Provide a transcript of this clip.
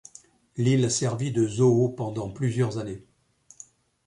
L'île a servi de zoo pendant plusieurs années.